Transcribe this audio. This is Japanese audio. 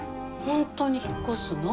本当に引っ越すの？